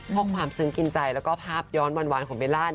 พวกความซึ้งกินใจและภาพย้อนวันของเมล่า